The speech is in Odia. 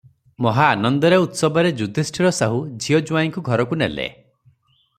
ମହା ଆନନ୍ଦରେ, ଉତ୍ସବରେ ଯୁଧିଷ୍ଠିର ସାହୁ ଝିଅ ଜୁଆଇଁଙ୍କୁ ଘରକୁ ନେଲେ ।